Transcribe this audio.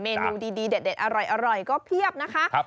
เนนูดีเด็ดอร่อยก็เพียบนะคะ